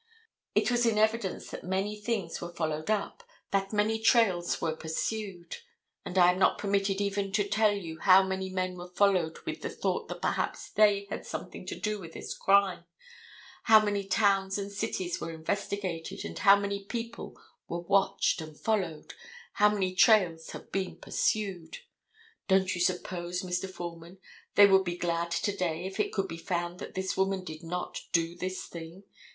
It was in evidence that many things were followed up, that many trails were pursued, and I am not permitted even to tell you how many men were followed with the thought that perhaps they had something to do with this crime, how many towns and cities were investigated, and how many people were watched and followed, how many trails have been pursued. Don't you suppose, Mr. Foreman, they would be glad to day if it could be found that this woman did not do this thing?